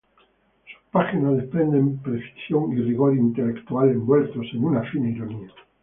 Sus páginas desprenden precisión y rigor intelectual envueltos en una fina ironía.